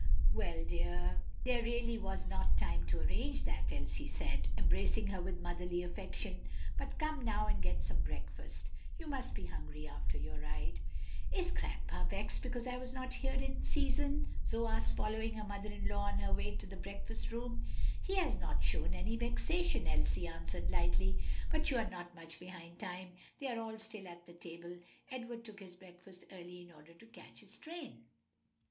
"Well, dear, there really was not time to arrange that," Elsie said, embracing her with motherly affection. "But come now and get some breakfast. You must be hungry after your ride." "Is Grandpa vexed because I was not here in season?" Zoe asked, following her mother in law on her way to the breakfast room. "He has not shown any vexation," Elsie answered lightly; "and you are not much behind time; they are all still at the table. Edward took his breakfast early in order to catch his train."